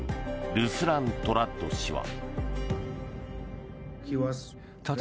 ルスラン・トラッド氏は。